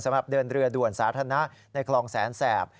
สำหรับเดินเรือด่วนสาธารณะในคลองแสนแสบ